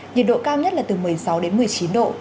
nhiệt độ cao nhất là từ một mươi sáu đến một mươi chín độ